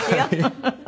フフフフ。